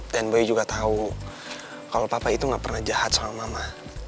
dan boy juga tahu kalau papa itu gak pernah jahat sama mama